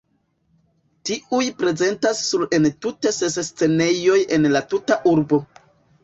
Tiuj prezentas sur entute ses scenejoj en la tuta urbo.